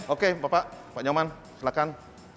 oke bapak nyoman silakan